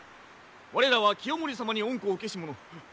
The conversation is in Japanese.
我らは清盛様に恩顧を受けし者。